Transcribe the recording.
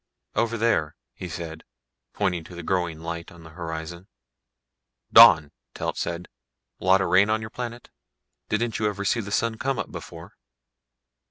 "Over there," he said, pointing to the growing light on the horizon. "Dawn," Telt said. "Lotta rain on your planet? Didn't you ever see the sun come up before?"